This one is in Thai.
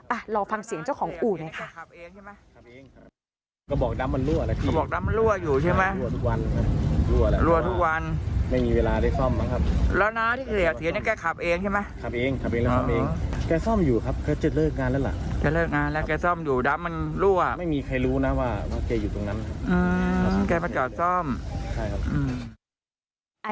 ลองฟังเสียงเจ้าของอู่หน่อยค่ะ